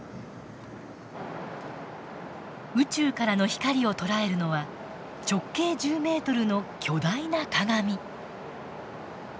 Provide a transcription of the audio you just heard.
宇宙からの光を捉えるのは直径１０ｍの巨大な鏡。